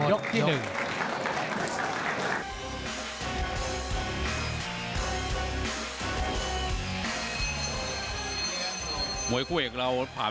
วันนี้เดี่ยงไปคู่แล้วนะพี่ป่านะ